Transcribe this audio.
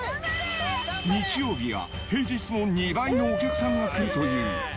日曜日は平日の２倍のお客さんが来るという。